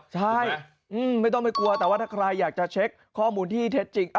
ใช่ไม่ต้องไปกลัวแต่ว่าถ้าใครอยากจะเช็คข้อมูลที่เท็จจริง